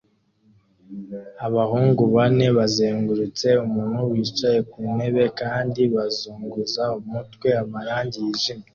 Abahungu bane bazengurutse umuntu wicaye ku ntebe kandi bazunguza umutwe amarangi yijimye